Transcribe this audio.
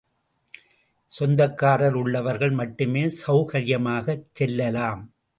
சொந்தக்கார் உள்ளவர்கள் மட்டுமே சௌகர்யமாகச் செல்லலாம்.